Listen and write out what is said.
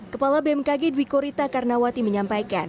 kepala bmkg dwi korita karnawati menyampaikan